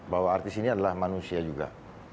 bahwa artis ini adalah manusia juga